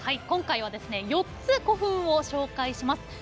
今回はですね４つ古墳を紹介します。